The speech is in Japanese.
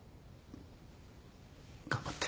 頑張って。